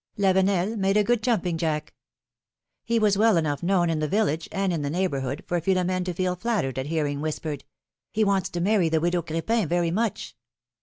Lavenel made a good jumping jack. He was well enough known in the village and in the neighborhood for Philom^ne to feel flattered at hearing 46 PHILOMi:NE's MARRIAGES. whispered: wants to marry the widow Cr^pin very much!